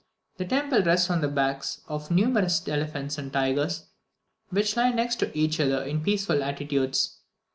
The temple rests on the backs of numerous elephants and tigers, which lie next to each other in peaceful attitudes.